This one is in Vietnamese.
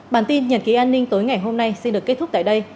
bản tin nhật ký an ninh tối ngày hôm nay xin được kết thúc tại đây